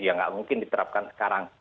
ya nggak mungkin diterapkan sekarang